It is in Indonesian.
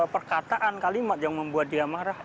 perkataan kalimat yang membuat dia marah